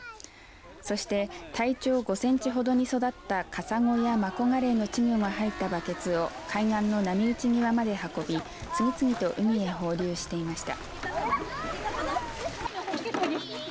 そして体長５センチほどに育ったカサゴやマコガレイの稚魚が入ったバケツを海岸の波打ち際まで運び次々と海へ放流していました。